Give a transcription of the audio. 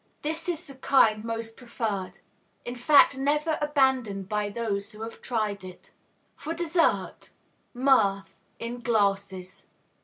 This is the kind most preferred; in fact, never abandoned by those who have tried it. For Dessert. MIRTH, in glasses.